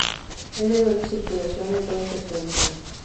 Es de doble circulación en toda su extensión.